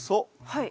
はい。